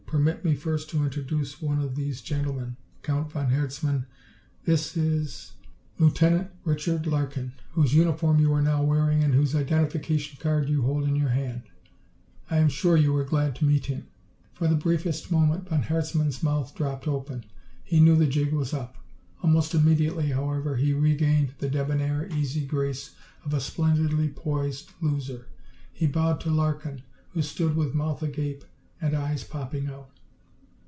"Permit me first to introduce one of these gentlemen. Count von Herzmann, this is Lieutenant Richard Larkin, whose uniform you are now wearing and whose identification card you hold in your hand. I am sure you are glad to meet him." For the briefest moment von Herzmann's mouth dropped open. He knew the jig was up! Almost immediately, however, he regained the debonair, easy grace of a splendidly poised loser. He bowed to Larkin, who stood with mouth agape and eyes popping out.